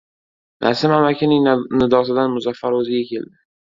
Nasim amakining nidosidan Muzaffar o‘ziga keldi.